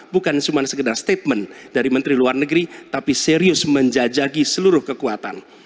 bukan cuma sekedar statement dari menteri luar negeri tapi serius menjajaki seluruh kekuatan